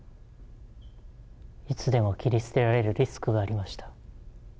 いつでも切り捨てられるリスクがありました。